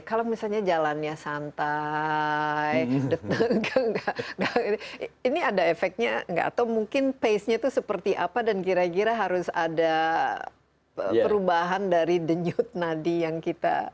kalau misalnya jalannya santai ini ada efeknya nggak atau mungkin pace nya itu seperti apa dan kira kira harus ada perubahan dari denyut nadi yang kita